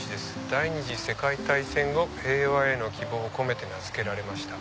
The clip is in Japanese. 第二次世界大戦後平和への希望を込めて名付けられました」。